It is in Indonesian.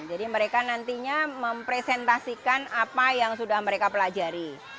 jadi mereka nantinya mempresentasikan apa yang sudah mereka pelajari